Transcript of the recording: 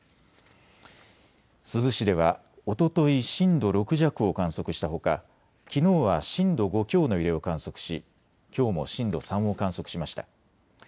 珠洲市ではおととい震度６弱を観測したほか、きのうは震度５強の揺れを観測しきょうも震度３を観測しました。